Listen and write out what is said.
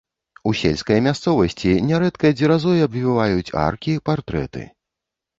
У сельскай мясцовасці нярэдка дзеразой абвіваюць аркі, партрэты.